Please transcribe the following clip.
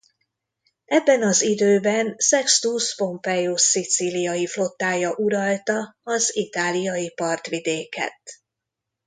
Ebben az időben Sextus Pompeius szicíliai flottája uralta az itáliai partvidéket.